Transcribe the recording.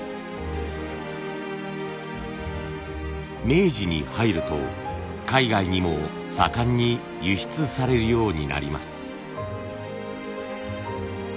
明治に入ると海外にも盛んに輸出されるようになります。